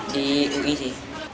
di ui sih